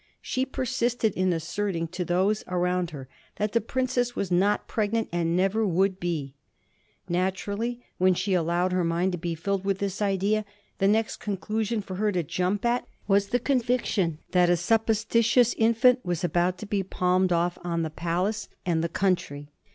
She persisted in asserting to those around her that the princess was not pregnant and never would be. Naturally when she allowed her mind to be filled with this idea, the next conclusion for her to jump at was the conviction that a supposititious infant was about to be palmed off on the Palace and the 1737. AN IMPORTANT AFFAIR. 106 country.